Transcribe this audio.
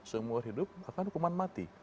seumur hidup akan hukuman mati